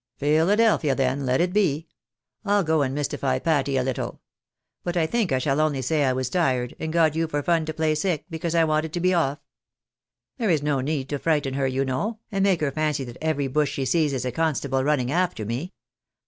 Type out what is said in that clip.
Philadelphia, then, let it be. I'll go and mystify Patty a little ; but I think I shall only say I was tired, and got you for fun to play sick, because I wanted to be off. There is no need to frighten her, you know, and make her fancy that every bush she sees is a constable running after me."